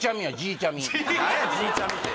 何や「じいちゃみ」て！